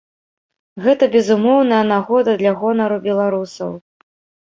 Гэта безумоўная нагода для гонару беларусаў.